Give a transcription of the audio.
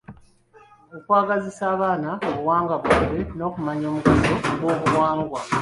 Okwagazisa abaana obuwangwa bwabwe n’okumanya omugaso gw’obuwangwa.